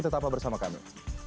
tetap bersama kami